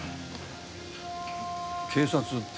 警察って。